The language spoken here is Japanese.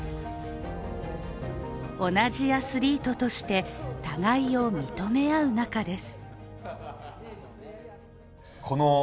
同じアスリートとして互いを認め合う仲です。